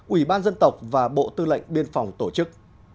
ủy ban dân tộc và bộ tư lệnh biên phòng tổ chức